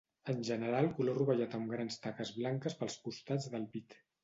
En general color rovellat amb grans taques blanques pels costats del pit.